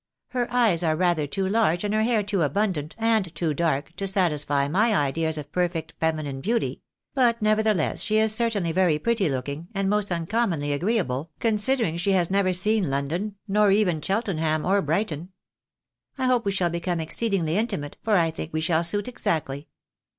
" Her eyes are rather too large, and her hair too abundant, and too dark, to satisfy my ideas of perfect feminine beauty ; but nevertheless she is certainly very pretty looking, and most uncommonly agreeable, considering she has never seen London, nor even Cheltenham or Brighton. I hope we shall become exceedingly intimate, for I think we shall suit exactly.